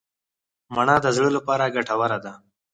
مڼه د زړه لپاره ګټوره ده.